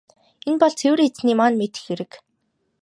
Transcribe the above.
Энэ бол цэвэр Эзэний маань мэдэх хэрэг.